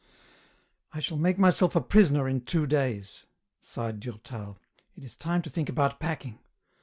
I SHALL make myself a prisoner in two days," sighed Durtal ;" it is time to think about packing.